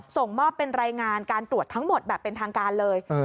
ส่งมอบเป็นรายงานการตรวจทั้งหมดแบบเป็นทางการเลย